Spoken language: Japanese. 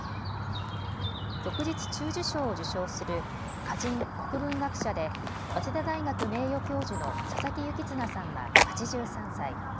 旭日中綬章を受章する歌人・国文学者で早稲田大学名誉教授の佐佐木幸綱さんは８３歳。